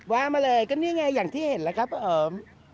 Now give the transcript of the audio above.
ว่ามาเลยก็นี่อย่างที่เห็นละครับเปอร์ม